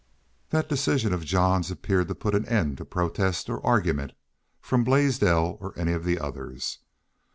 That decision of Jean's appeared to put an end to protest or argument from Blaisdell or any of the others.